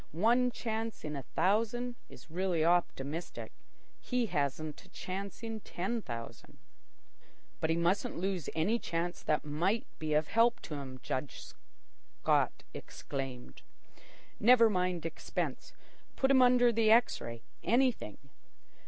One chance in a thousand is really optimistic. He hasn't a chance in ten thousand." "But he mustn't lose any chance that might be of help to him," Judge Scott exclaimed. "Never mind expense. Put him under the X ray—anything.